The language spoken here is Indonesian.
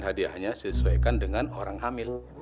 hadiahnya sesuaikan dengan orang hamil